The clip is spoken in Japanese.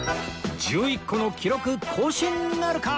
１１個の記録更新なるか！？